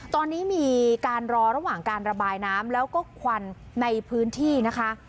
ตอนนี้มีการรอระหว่างการระบายน้ำแล้วก็ควันในพื้นที่นะคะ